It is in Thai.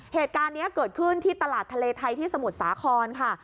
เหตุการณ์นี้เกิดขึ้นที่ตลาดทะเลไทยที่สมุทรสาครค่ะ